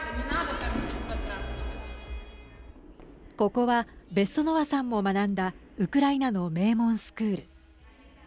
ここはベッソノワさんも学んだウクライナの名門スクール。